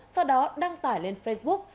sau đó đăng tải lên facebook